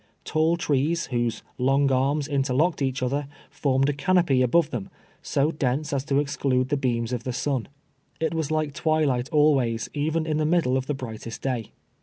Tall trees, whose long arms interlocked each other, formed a canopy above them, so dense as to exclude the beams of the sun. It was like twilight always, even in the middle of the brightest day.